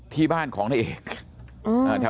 ที่บ้านของนายเอก